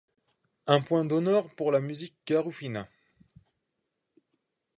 Un point d’honneur pour la musique Garifuna.